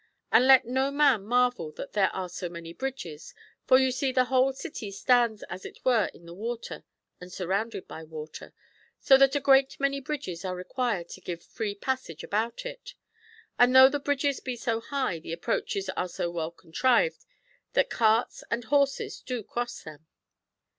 And let no man marvel that there are so many bridges, for you see the whole city stands as it were in the water and surrounded by water, so that a great many bridges are required to give free passage about it. [And though the bridges be so high the approaches are so well contrived that carts and horses do cross them.